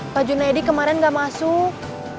pak junedi kemarin gak masuk